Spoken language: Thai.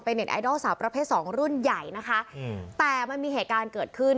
เน็ตไอดอลสาวประเภทสองรุ่นใหญ่นะคะอืมแต่มันมีเหตุการณ์เกิดขึ้น